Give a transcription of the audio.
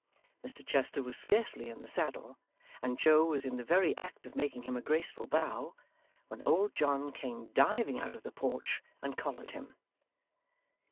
Mr Chester was scarcely in the saddle, and Joe was in the very act of making him a graceful bow, when old John came diving out of the porch, and collared him.